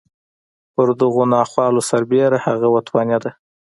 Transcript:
پر دغو ناخوالو سربېره هغه وتوانېده.